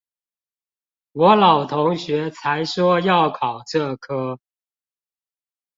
我老同學才說要考這科